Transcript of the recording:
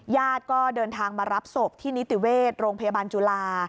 ญาติก็เดินทางมารับศพที่นิติเวชโรงพยาบาลจุฬา